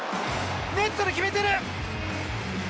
ネットで決めてる！